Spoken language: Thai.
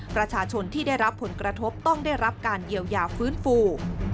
ประชาชนที่ได้รับผลกระทบต้องได้รับการเยียวยาฟื้นฟู